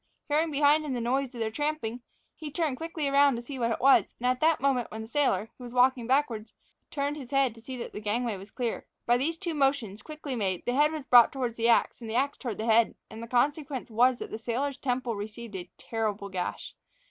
Hearing behind him the noise of their trampling, he turned quickly around to see what it was, at the moment when the sailor, who was walking backwards, turned his head to see that the gangway was clear. By these two motions, quickly made, the head was brought towards the ax, and the ax towards the head, and the consequence was that the sailor's temple received a terrible gash.